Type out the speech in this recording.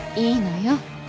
いいのよ。